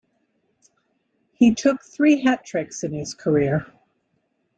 He took three hat tricks in his career.